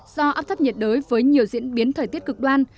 do áp thấp nhiệt đới với nhiều diễn biến thời tiết cực đoan